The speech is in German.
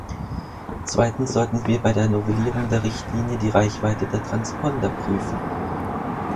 Zweitens sollten wir bei der Novellierung der Richtlinie die Reichweite der Transponder prüfen.